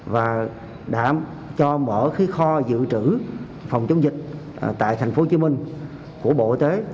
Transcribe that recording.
và đã cho mở kho dự trữ phòng chống dịch tại tp hcm của bộ y tế